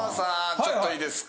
ちょっといいですか。